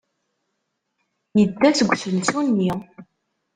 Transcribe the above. Yedda seg usensu-nni.